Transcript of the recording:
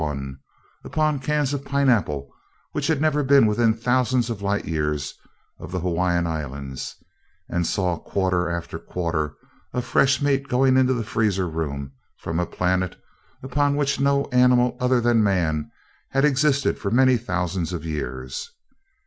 1" upon cans of pineapple which had never been within thousands of light years of the Hawaiian Islands, and saw quarter after quarter of fresh meat going into the freezer room from a planet upon which no animal other than man had existed for many thousands of years.